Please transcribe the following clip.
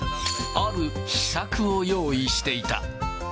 ある秘策を用意していた。